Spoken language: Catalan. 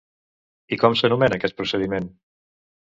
I com s'anomena aquest procediment?